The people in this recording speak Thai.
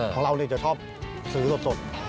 ของเราจะชอบซื้อสด